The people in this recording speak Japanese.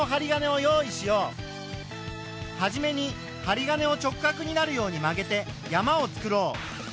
始めにはり金を直角になるように曲げて「山」をつくろう。